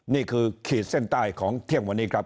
ขีดเส้นใต้ของเที่ยงวันนี้ครับ